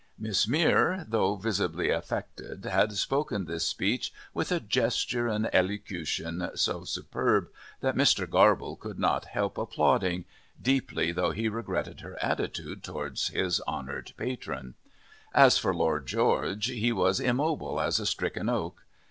Miss Mere, though visibly affected, had spoken this speech with a gesture and elocution so superb, that Mr. Garble could not help applauding, deeply though he regretted her attitude towards his honoured patron. As for Lord George, he was immobile as a stricken oak.